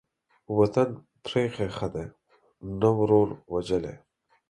وطن پرې ايښى ښه دى ، نه ورور وژلى.